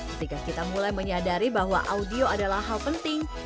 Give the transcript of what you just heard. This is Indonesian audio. ketika kita mulai menyadari bahwa audio adalah hal penting